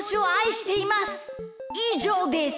いじょうです。